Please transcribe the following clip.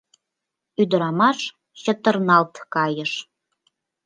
Ӱдырамаш чытырналт кайыш.